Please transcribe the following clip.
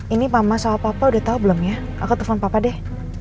ini mama sama papa udah tahu belum ya aku telepon papa deh